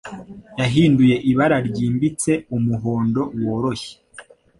Yahinduye ibara ryimbitse umuhondo woroshye.